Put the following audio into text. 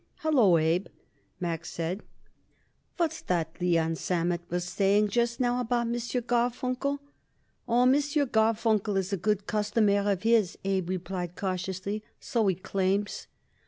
"Hallo, Abe," Max said. "What's that Leon Sammet was saying just now about M. Garfunkel?" "Oh, M. Garfunkel is a good customer of his," Abe replied cautiously; "so he claims."